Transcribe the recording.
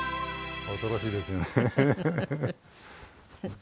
恐ろしいですよね。